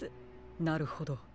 なるほど。